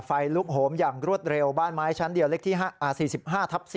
ไฟลุกโหมอย่างรวดเร็วบ้านไม้ชั้นเดียวเล็กที่๔๕ทับ๔